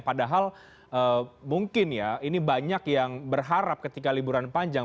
padahal mungkin ya ini banyak yang berharap ketika liburan panjang